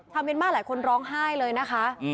ท่านเมนม่าหลายคนร้องไห้เลยนะคะ